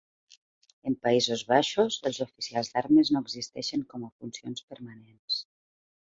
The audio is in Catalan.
En Països Baixos, els oficials d'armes no existeixen com a funcions permanents.